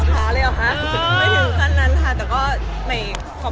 ก็เล่าให้ฟังทุกคนเลยค่ะ